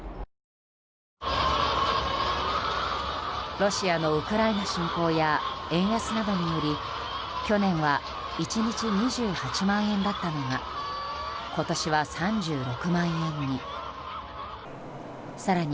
ロシアのウクライナ侵攻や円安などにより去年は１日２８万円だったのが今年は３６万円に。